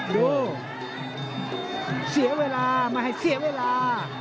ดูเสียเวลาไม่ให้เสียเวลา